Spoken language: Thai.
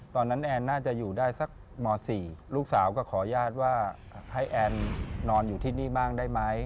แอนน่าจะอยู่ได้สักม๔ลูกสาวก็ขออนุญาตว่าให้แอนนอนอยู่ที่นี่บ้างได้ไหม